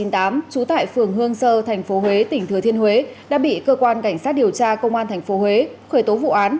trú tại phường hương sơ tp huế tỉnh thừa thiên huế đã bị cơ quan cảnh sát điều tra công an tp huế khởi tố vụ án